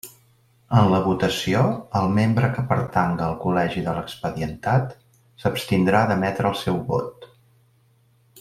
En la votació, el membre que pertanga al col·legi de l'expedientat, s'abstindrà d'emetre el seu vot.